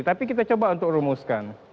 tapi kita coba untuk rumuskan